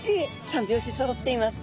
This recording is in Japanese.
三拍子そろっています。